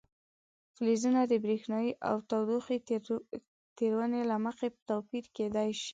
فلزونه د برېښنايي او تودوخې تیرونې له مخې توپیر کیدای شي.